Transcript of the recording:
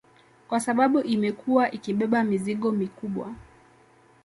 Kwa sababu imekuwa ikibeba mizigo mikubwa